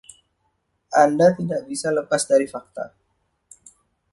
Anda tidak bisa lepas dari fakta.